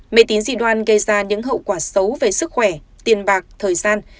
mê tín dị đoan gây ra những hậu quả xấu về sức khỏe tiền bạc thời gian